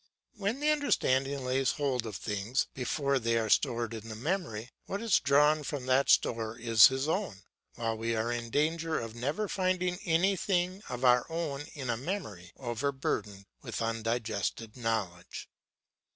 When the understanding lays hold of things before they are stored in the memory, what is drawn from that store is his own; while we are in danger of never finding anything of our own in a memory over burdened with undigested knowledge.